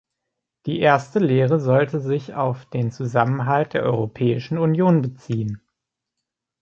Die erste Lehre sollte sich auf den Zusammenhalt der Europäischen Union beziehen.